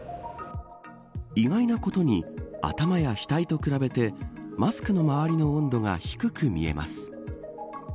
意外なことに頭や額と比べてマスクの周りの温度が低く見えます。